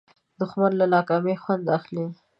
دښمن له ناکامۍ خوند اخلي